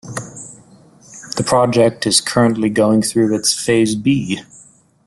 The project is currently going through its Phase B.